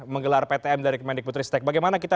menggelar ptm dari kemendikbutristek bagaimana kita